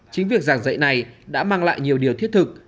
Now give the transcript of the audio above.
chính việc giảng dạy này đã mang lại nhiều điều thiết thực